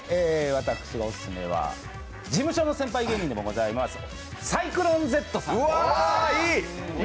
私のオススメは事務所の先輩芸人でもございます、サイクロンＺさん。